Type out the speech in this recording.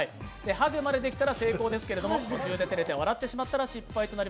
ハグまでできたら成功ですけれども、途中で照れて笑ってしまったら失敗です。